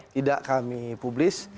tidak kami publis